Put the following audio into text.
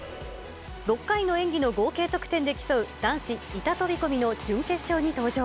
６回の演技の合計得点で競う男子板飛び込みの準決勝に登場。